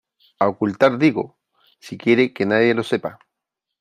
a ocultar digo . si quiere que nadie lo sepa .